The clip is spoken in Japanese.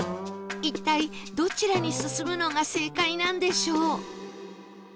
一体どちらに進むのが正解なんでしょう？